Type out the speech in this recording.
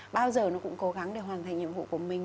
bao giờ nó cũng cố gắng để hoàn thành nhiệm vụ của mình